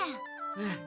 うん。